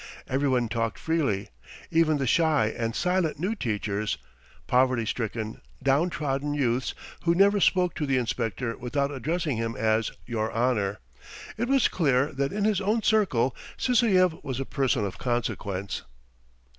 Everyone talked freely, even the shy and silent new teachers, poverty stricken, down trodden youths who never spoke to the inspector without addressing him as "your honour." It was clear that in his own circle Sysoev was a person of consequence.